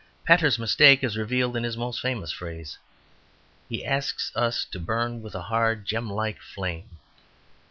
Pater's mistake is revealed in his most famous phrase. He asks us to burn with a hard, gem like flame.